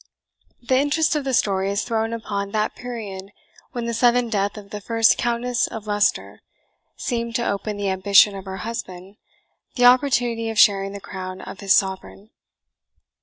The interest of the story is thrown upon that period when the sudden death of the first Countess of Leicester seemed to open to the ambition of her husband the opportunity of sharing the crown of his sovereign.